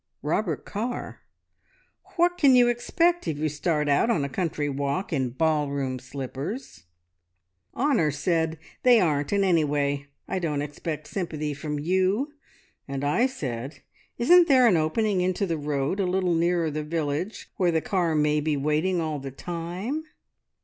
"Robert Carr. `What can you expect if you start out on a country walk in ball room slippers?' "Honor said: `They aren't, and, anyway, I don't expect sympathy from you,' and I said: `Isn't there an opening into the road a little nearer the village where the car may be waiting all the time?'